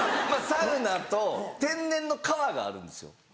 サウナと天然の川があるんですよ。